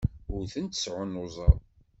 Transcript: Ur tent-sɛunnuẓeɣ.